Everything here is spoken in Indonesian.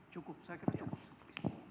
cukup saya kira cukup